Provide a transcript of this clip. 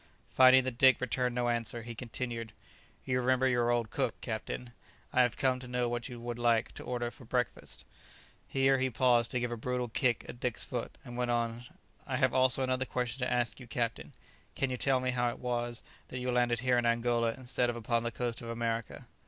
'" Finding that Dick returned no answer, he continued, "You remember your old cook, captain: I have come to know what you would like to order for your breakfast." Here he paused to give a brutal kick at Dick's foot, and went on, "I have also another question to ask you, captain; can you tell me how it was that you landed here in Angola instead of upon the coast of America?"